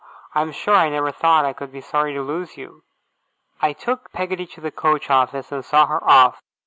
I am sure I never thought I could be sorry to lose you!' I took Peggotty to the coach office and saw her off.